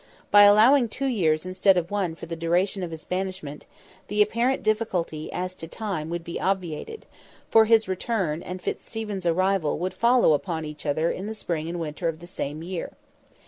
By allowing two years instead of one for the duration of his banishment, the apparent difficulty as to time would be obviated, for his return and Fitzstephen's arrival would follow upon each other in the spring and winter of the same year.